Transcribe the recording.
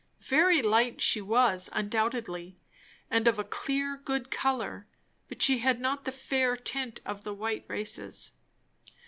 Very light she was, undoubtedly, and of a clear good colour, but she had not the fair tint of the white races.